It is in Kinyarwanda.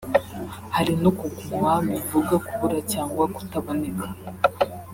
hari no kuguma bivuga kubura cyangwa kutaboneka